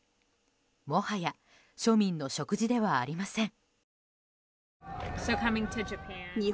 もはや庶民の食事ではありません。